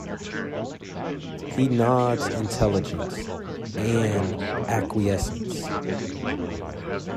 He nods intelligence, and acquiescence.